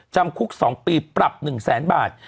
จำคุก๒ปีปรับ๑๐๐๐๐๐บาท